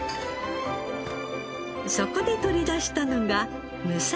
そこで取り出したのがむさし麦豚。